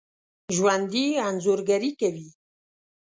ژوندي انځورګري کوي